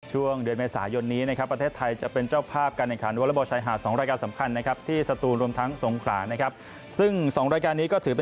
ช่วงเดือนเมษายนเนี้ยนะครับประเทศไทยจะเป็นเจ้าภาพการแข่งขัน